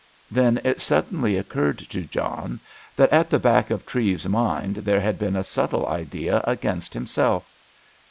Then it suddenly occurred to John that at the back of Treves's mind there had been a subtle idea against himself.